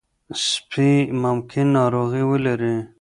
سپي ممکن ناروغي ولري.